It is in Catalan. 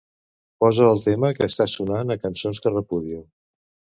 Posa el tema que està sonant a cançons que repudio.